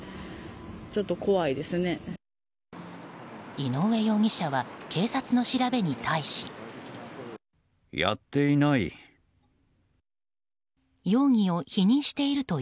井上容疑者は警察の調べに対し。やっていない。